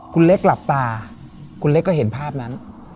คุณเล็กหลับตาคุณเล็กก็เห็นภาพนั้น